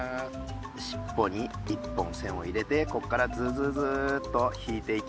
しっぽに１本線を入れてこっからズズズッと引いていきます。